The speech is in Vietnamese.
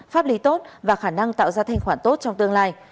pháp lý tốt và khả năng tạo ra thanh khoản tốt trong tương lai